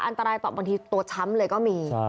อันตรายต่อบางทีตัวช้ำเลยก็มี